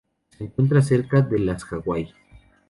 Se encuentra cerca de las Hawaii.